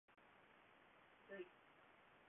ｖ